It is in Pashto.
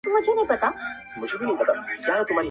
له محفله یې بهر کړم د پیمان استازی راغی،